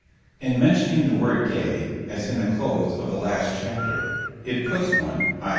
CII IN mentioning the word gay (as in the close of the last chapter) it puts one (_i.